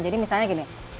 jadi misalnya gini